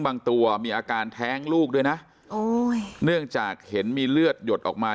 บางตัวมีอาการแท้งลูกด้วยนะโอ้ยเนื่องจากเห็นมีเลือดหยดออกมา